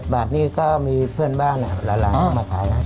๗บาทนี่ก็มีเพื่อนบ้างหลายมาขายให้